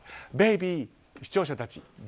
ベイビー、視聴者たち。